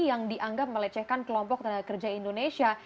yang dianggap melecehkan kelompok tenaga kerja indonesia